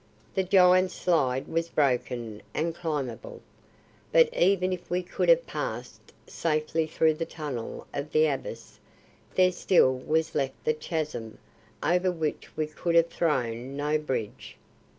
The giant slide was broken and climbable. But even if we could have passed safely through the tunnel of the abyss there still was left the chasm over which we could have thrown no bridge.